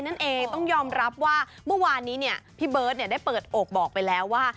นั่นเองต้องยอมรับว่าเมื่อวานนี้เนี่ยพี่เบิร์ตได้เปิดอกบอกไปแล้วว่า